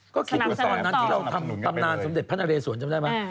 ก็คิดดูตอนนั้นที่เราทำตำนานสมเด็จพระนเรสวนจำได้ไหม